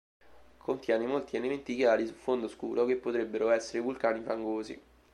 Contiene molti elementi chiari su fondo scuro, che potrebbero essere vulcani fangosi.